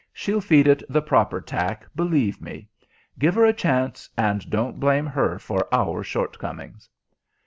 She'll feed it the proper tack, believe me. Give her a chance, and don't blame her for our shortcomings."